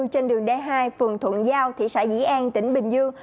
trên đường d hai phường thuận giao thị xã dĩ an tỉnh bình dương